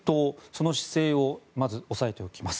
その姿勢をまず抑えておきます。